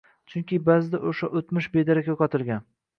Chunki ba’zida o‘sha o‘tmish bedarak yo‘qotilgan